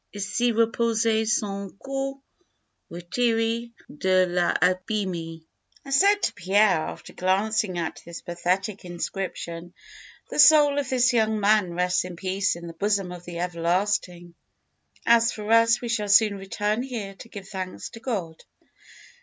ICI REPOSE SON CORPS, RETIRÉ DE L'ABÎME. "I said to Pierre, after glancing at this pathetic inscription, 'The soul of this young man rests in peace in the bosom of the Everlasting. As for us, we shall soon return here to give thanks to God.'